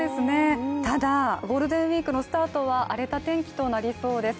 ただゴールデンウイークのスタートは荒れた天気となりそうです。